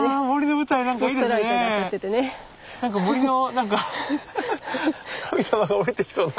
森の何かハハハハ神様が降りてきそうな。